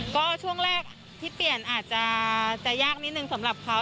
ก็ช่วงแรกที่เปลี่ยนอาจจะยากนิดนึงสำหรับเขา